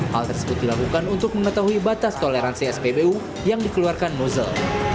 hal tersebut dilakukan untuk mengetahui batas toleransi spbu yang dikeluarkan nozzle